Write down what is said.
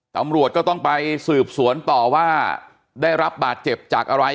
ตำรวจก็ต้องไปสืบสวนต่อว่าได้รับบาดเจ็บจากอะไร